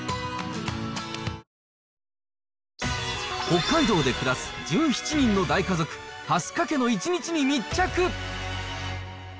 北海道で暮らす１７人の大家族、蓮香家の１日に密着。